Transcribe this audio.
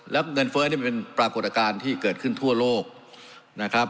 แล้วเงินเฟ้อนี่มันเป็นปรากฏการณ์ที่เกิดขึ้นทั่วโลกนะครับ